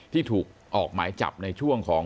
ที่ถูกออกหมายจับในช่วงของ